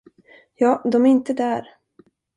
Ja, de är inte där.